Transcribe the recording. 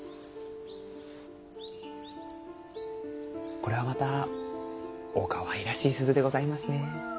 これはまたおかわいらしい鈴でございますね。